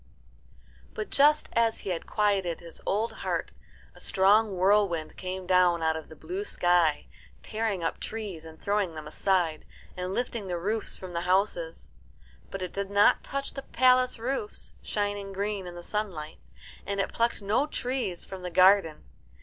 ] But just as he had quieted his old heart a strong whirlwind came down out of the blue sky, tearing up trees and throwing them aside, and lifting the roofs from the houses. But it did not touch the palace roofs, shining green in the sunlight, and it plucked no trees from the garden.